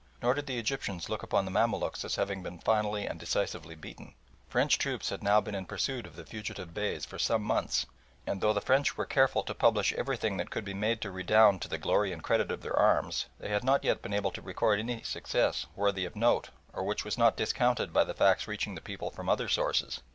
Nor did the Egyptians look upon the Mamaluks as having been finally and decisively beaten. French troops had now been in pursuit of the fugitive Beys for some months, and though the French were careful to publish everything that could be made to redound to the glory and credit of their arms, they had not yet been able to record any success worthy of note or which was not discounted by the facts reaching the people from other sources.